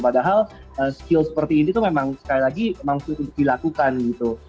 padahal skill seperti ini tuh memang sekali lagi memang sulit dilakukan gitu